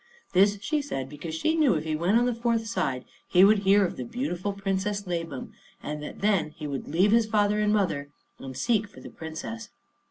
This she said because she knew if he went on the fourth side he would hear of the beautiful Princess Labam, and that then he would leave his father and mother and seek for the Princess.